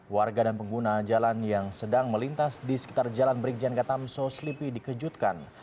warga dan pengguna jalan yang sedang melintas di sekitar jalan berikjan ke tamsu selipi dikejutkan